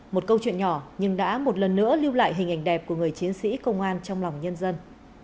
một câu chuyện nhỏ nhưng đã một lần nữa lưu lại hình ảnh đẹp của người chiến sĩ công an trong lòng nhân dân